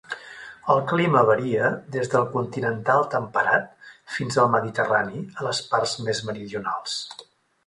El clima varia des del continental temperat fins al mediterrani a les parts més meridionals.